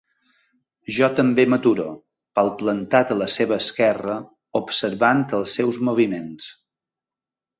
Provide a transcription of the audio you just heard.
Jo també m'aturo, palplantat a la seva esquerra, observant els seus moviments.